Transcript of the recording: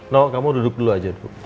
nono kamu duduk dulu saja